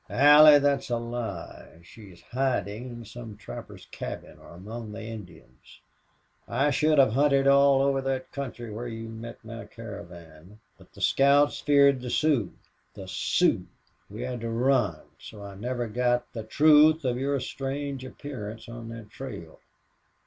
"Allie, that's a lie. She's hiding in some trapper's cabin or among the Indians. I should have hunted all over that country where you met my caravan. But the scouts feared the Sioux. The Sioux! We had to run. And so I never got the truth of your strange appearance on that trail."